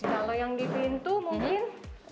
kalau yang di pintu mungkin